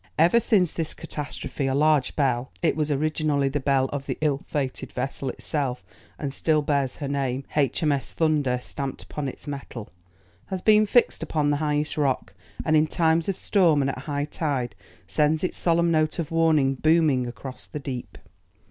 Ever since this catastrophe a large bell (it was originally the bell of the ill fated vessel itself, and still bears her name, "H.M.S. Thunder," stamped upon its metal) has been fixed upon the highest rock, and in times of storm and at high tide sends its solemn note of warning booming across the deep.